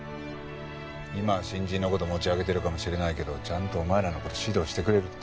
今は新人の事持ち上げてるかもしれないけどちゃんとお前らの事指導してくれるって。